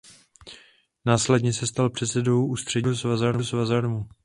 Následně se stal předsedou ústředního výboru Svazarmu.